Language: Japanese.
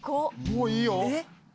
「もういいよ」